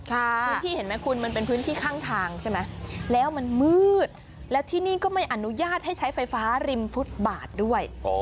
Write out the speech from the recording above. เห็นไหมคุณมันเป็นพื้นที่ข้างทางใช่ไหมแล้วมันมืดแล้วที่นี่ก็ไม่อนุญาตให้ใช้ไฟฟ้าริมฟุตบาทด้วย